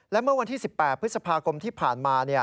และเมื่อวันที่๑๘พฤษภาคมที่ผ่านมา